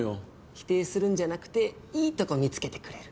否定するんじゃなくていいとこ見つけてくれる。